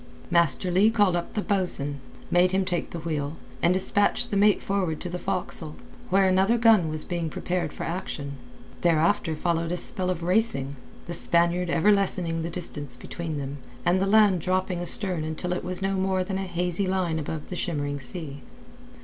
Master Leigh called up the bo'sun, bade him take the wheel, and dispatched the mate forward to the forecastle, where another gun was being prepared for action. Thereafter followed a spell of racing, the Spaniard ever lessening the distance between them, and the land dropping astern until it was no more than a hazy line above the shimmering sea.